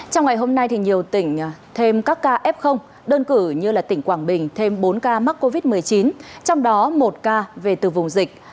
trong ngày hôm nay nhiều tỉnh thêm các ca f đơn cử như tỉnh quảng bình thêm bốn ca mắc covid một mươi chín trong đó một ca về từ vùng dịch